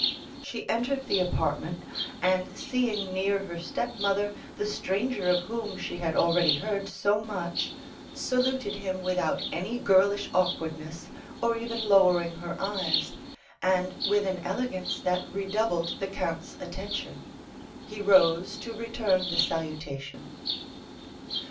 She entered the apartment, and seeing near her stepmother the stranger of whom she had already heard so much, saluted him without any girlish awkwardness, or even lowering her eyes, and with an elegance that redoubled the count's attention. He rose to return the salutation.